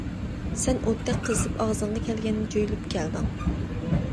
سەن ئوتتەك قىزىپ، ئاغزىڭغا كەلگەننى جۆيلۈپ كەلدىڭ.